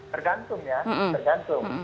tergantung ya tergantung